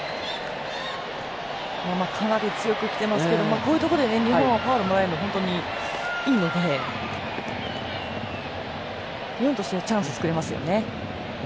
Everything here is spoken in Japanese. かなり強くきていますけどこういうところで、日本はファウルをもらうのはいいので日本としてはチャンスを作りましたね。